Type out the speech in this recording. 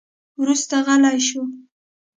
وروسته غلی شو.